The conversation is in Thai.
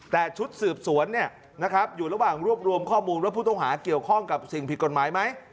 แต่ชุดสืบสวนอยู่ระหว่างรวบรวมข้อมูลว่าผู้ต้องหาเกี่ยวข้องกับสิ่งผิดกฎหมายไหม